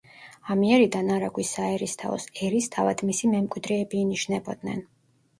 ამიერიდან არაგვის საერისთავოს ერისთავად მისი მემკვიდრეები ინიშნებოდნენ.